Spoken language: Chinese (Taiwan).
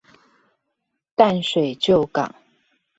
淡水舊港